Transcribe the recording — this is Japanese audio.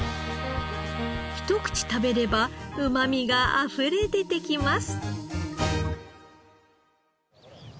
ひと口食べればうまみがあふれ出てきます。